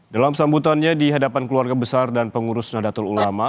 dalam sambutannya di hadapan keluarga besar dan pengurus nadatul ulama